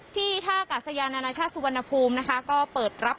ที่ท่ากาศยานานาชาติสุวรรณภูมินะคะก็เปิดรับ